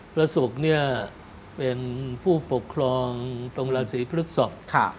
พระศุกร์เป็นผู้ปกครองตรงราศีพฤศพ